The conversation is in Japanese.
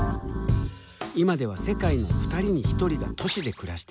今では世界の２人に１人が都市で暮らしている。